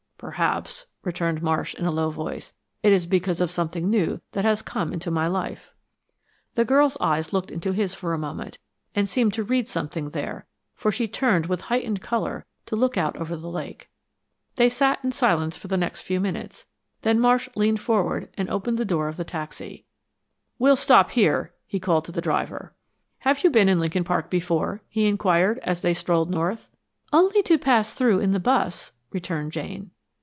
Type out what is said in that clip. "Perhaps," returned Marsh, in a low voice, "it is because of something new that has come into my life." The girl's eyes looked into his for a moment, and seemed to read something there, for she turned with heightened color to look out over the lake. They sat in silence for the next few minutes; then Marsh leaned forward and opened the door of the taxi. "We'll stop here," he called to the driver. "Have you been in Lincoln Park before?" he inquired, as they strolled north. "Only to pass through in the bus," returned Jane.